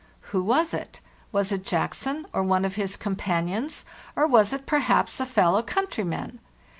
Who was it? Was it Jackson, or one of his companions, or was it perhaps a fellow countryman?